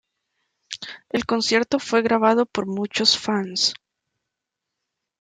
El concierto fue grabado por muchos fans.